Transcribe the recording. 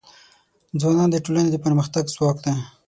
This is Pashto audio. ځوانان د ټولنې د پرمختګ ځواک دی.